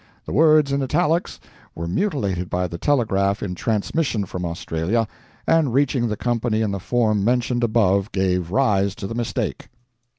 The words in italics were mutilated by the telegraph in transmission from Australia, and reaching the company in the form mentioned above gave rise to the mistake.